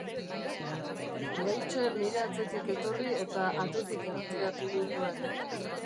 Rachel nire atzetik etorri, eta atetik erretiratu ninduen.